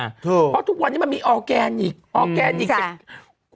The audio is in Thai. เพราะว่าทุกวันนี้มันมีออร์แกนิค